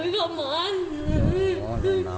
ตรงนี้มันเจอศพหนูอ่ะ